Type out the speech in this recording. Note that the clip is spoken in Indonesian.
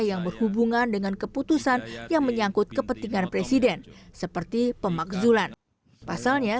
yang berhubungan dengan keputusan yang menyangkut kepentingan presiden seperti pemakzulan pasalnya